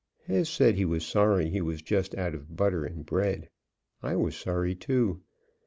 Hez said he was sorry he was just out of butter and bread. I was sorry, too.